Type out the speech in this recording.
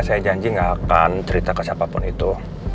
saya janji gak akan cerita ke siapapun itu